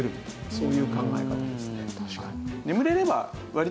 そういう考え方ですね。